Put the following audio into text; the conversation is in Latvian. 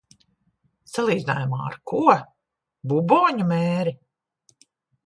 Salīdzinājumā ar ko? Buboņu mēri?